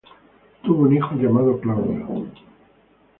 Tuvo un hijo llamado Claudio.